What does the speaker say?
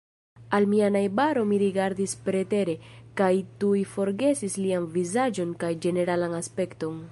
Al mia najbaro mi rigardis pretere, kaj tuj forgesis lian vizaĝon kaj ĝeneralan aspekton.